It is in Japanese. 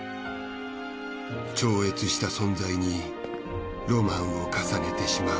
超越した存在にロマンを重ねてしまう。